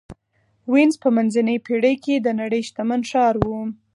وینز په منځنۍ پېړۍ کې د نړۍ شتمن ښار و